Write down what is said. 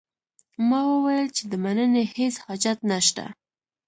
ما وویل چې د مننې هیڅ حاجت نه شته.